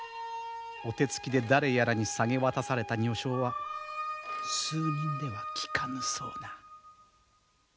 お手つきで誰やらに下げ渡された女性は数人ではきかぬそうな。